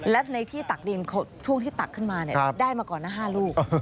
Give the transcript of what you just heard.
และในที่ตักดินช่วงที่ตักขึ้นมาได้มาก่อนละ๕ลูก